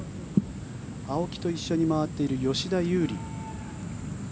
青木と一緒に回っている吉田優利。